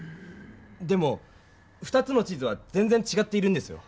でも２つの地図は全ぜんちがっているんですよ。